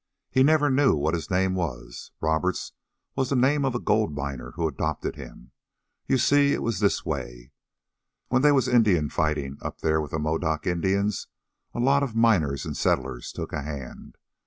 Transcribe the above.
He never knew what his name was. Roberts was the name of a gold miner who adopted him. You see, it was this way. When they was Indian fightin' up there with the Modoc Indians, a lot of the miners an' settlers took a hand.